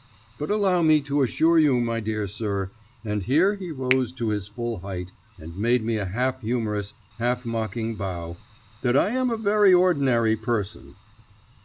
But allow me to assure you, my dear sir," and here he rose to his full height, and made me a half humorous, half mocking bow, "that I am a very ordinary person."